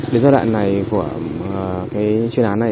đến giai đoạn này của chuyên án này